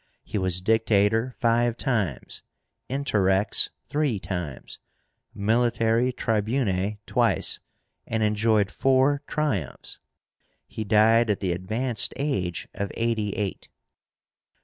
He was Dictator five times, Interrex three times, Military Tribune twice, and enjoyed four triumphs. He died at the advanced age of eighty eight.